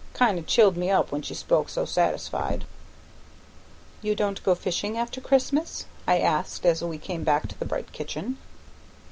It kind o' chilled me up when she spoke so satisfied." "You don't go out fishing after Christmas?" I asked, as we came back to the bright kitchen.